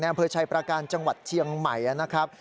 อำเภอชัยประการจังหวัดเชียงใหม่นะครับ